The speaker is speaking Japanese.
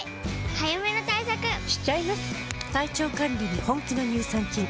早めの対策しちゃいます。